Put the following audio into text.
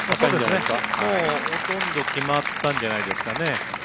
もうほとんど決まったんじゃないですかね。